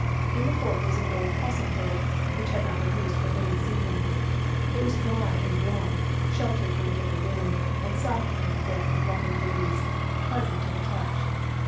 In the fork was an old 'possum hole which had not been used for many seasons. It was dry and warm — sheltered from the bitter wind, and soft underfoot with rotting leaves, pleasant to the touch.